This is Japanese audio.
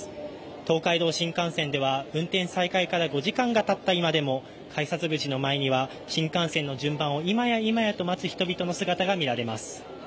東海道新幹線では運転再開から５時間がたった今でも改札口の前には新幹線の順番を今や今やと待つ人の姿がみられます。